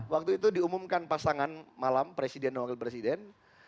waktu itu diumumkan pasangan malam presiden dan wakil presiden